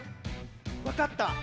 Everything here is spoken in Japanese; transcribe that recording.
わかった。